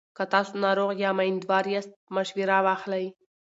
که تاسو ناروغ یا میندوار یاست، مشوره واخلئ.